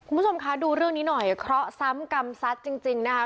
คุณผู้ชมคะดูเรื่องนี้หน่อยเคราะห์ซ้ำกรรมซัดจริงนะคะ